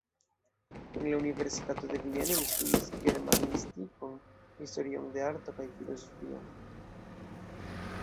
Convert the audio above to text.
En la universitato de Vieno li studis germanistikon, historion de arto kaj filozofion.